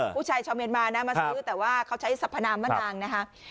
ผู้ชายชาวเมียนมานะมาซื้อแต่ว่าเขาใช้สัพพนามมะนาวนะคะ